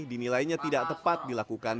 dinilainya tidak tepat dilakukan